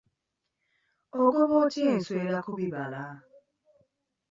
Ogoba otya enswera ku bibala?